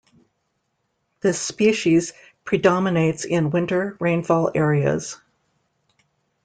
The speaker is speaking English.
This species predominates in winter-rainfall areas.